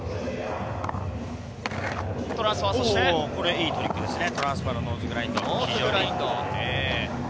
トランスファー、そして。いいトリックですね。